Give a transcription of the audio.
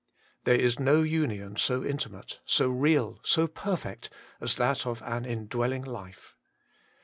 There is no union so intimate, so real, so perfect, as that of an indwelling life.